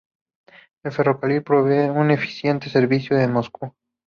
El ferrocarril provee un eficiente servicio a Moscú.